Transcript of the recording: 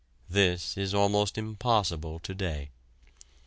This is almost impossible to day.